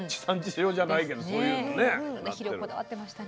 肥料こだわってましたね。